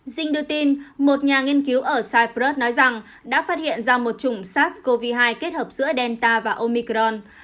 dinh đưa tin một nhà nghiên cứu ở cyprus nói rằng đã phát hiện ra một chủng sars cov hai kết hợp giữa delta và omicron